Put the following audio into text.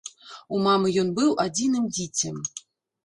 У мамы ён быў адзіным дзіцем.